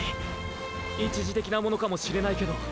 一時的なものかもしれないけど